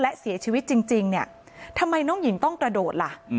และเสียชีวิตจริงเนี่ยทำไมน้องหญิงต้องกระโดดล่ะ